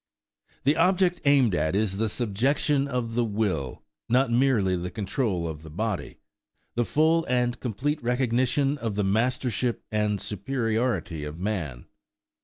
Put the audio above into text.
The object aimed at is the subjection of the will, not merely the control of the body,–the full and complete recognition of the mastership and superiority of man.